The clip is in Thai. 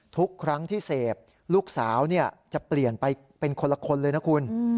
ทุกครั้งที่เสพลูกสาวจะเปลี่ยนไปเป็นคนละคนเลยนะคุณ